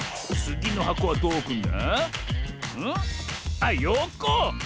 あっよこ！